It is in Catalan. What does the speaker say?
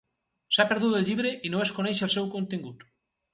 S'ha perdut el llibre i no es coneix el seu contingut.